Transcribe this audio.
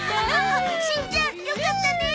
しんちゃんよかったね。